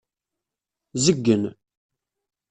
Zeggen.